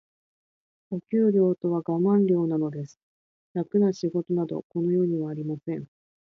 お給料とはガマン料なのです。楽な仕事など、この世にはありません。